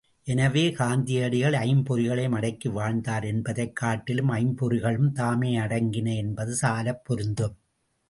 எனவே காந்தியடிகள் ஐம்பொறிகளையும் அடக்கி வாழ்ந்தார் என்பதைக் காட்டிலும், ஐம்பொறிகளும் தாமே அடங்கின என்பது சாலப் பொருந்தும்.